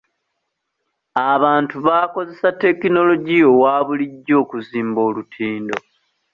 Abantu baakozesa tekinologiya owa bulijjo okuzimba olutindo.